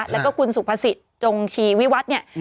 แล้วก็คุณสุภสิทธิ์จงชีวิวัฒน์เนี่ย